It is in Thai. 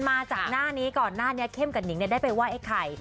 มาจากหน้านี้ก่อนหน้านี้เข้มกับหิงได้ไปไหว้ไอ้ไข่